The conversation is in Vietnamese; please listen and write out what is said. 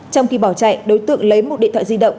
trong khi bỏ chạy đối tượng lấy một điện thoại di động